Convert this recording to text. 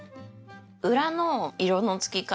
裏の色のつき方。